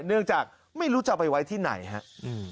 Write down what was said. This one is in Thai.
เนื่องจากไม่รู้จะเอาไปไว้ที่ไหนครับ